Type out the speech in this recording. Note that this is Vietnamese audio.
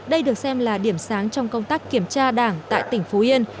đây được xem là điểm sáng trong công tác kiểm tra đảng tại tỉnh phú yên